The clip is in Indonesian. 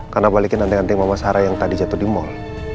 karena balikin anting anting mama sarah yang tadi jatuh di mal